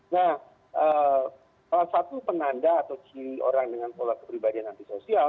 nah salah satu penanda atau ciri orang dengan pola kepribadian antisosial